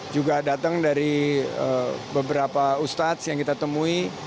juga datang dari beberapa ustadz yang kita temui